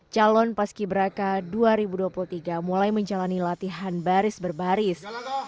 calon paski beraka dua ribu dua puluh tiga mulai menjalani latihan baris berbaris